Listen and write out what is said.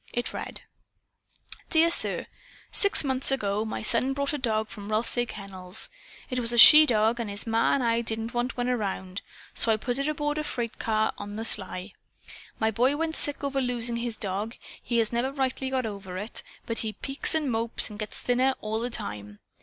It read: Dear Sir: "Six months ago, my son bought a dog from the Rothsay Kennels. It was a she dog, and his ma and I didn't want one around. So I put it aboard a freight car on the sly. My boy went sick over losing his dog. He has never rightly got over it, but he peaks and mopes and gets thinner all the time.